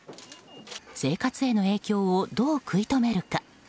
生活への影響をどう食い止めるか。